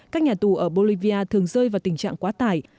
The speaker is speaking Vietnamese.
các nhà tù ở bolivia thường rơi vào tình trạng quá tải